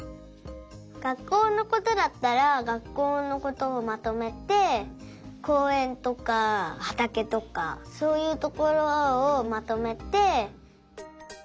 学校のことだったら学校のことをまとめてこうえんとかはたけとかそういうところをまとめて。